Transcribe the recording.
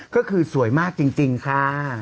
ก็คือสวยมากจริงค่ะ